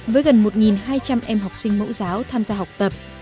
với gần một hai trăm linh em học sinh mẫu giáo tham gia học tập